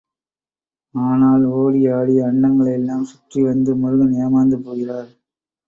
ஆனால் ஓடி ஆடி அண்டங்களை எல்லாம் சுற்றி வந்து முருகன் ஏமாந்து போகிறார்.